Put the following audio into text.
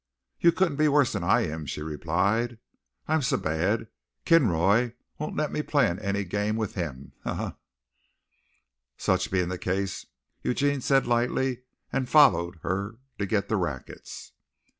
"You couldn't be worse than I am," she replied. "I'm so bad Kinroy won't let me play in any game with him. Ha, ha!" "Such being the case " Eugene said lightly, and followed her to get the rackets.